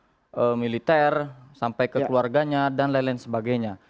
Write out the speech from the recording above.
pendidikan bagi seluruh militer sampai ke keluarganya dan lain lain sebagainya